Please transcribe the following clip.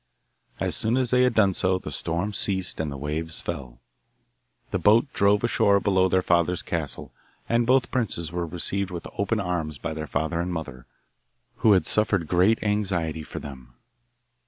As soon as they had done so the storm ceased and the waves fell. The boat drove ashore below their father's castle, and both princes were received with open arms by their father and mother, who had suffered great anxiety for them.